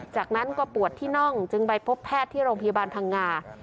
จากนั้นก็ปวดที่น่องจึงไปพบแพทย์ที่โรงพยาบาลพังงา